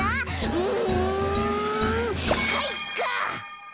うんかいか！